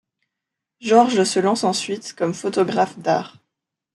Georges se lance ensuite comme photographe d’art.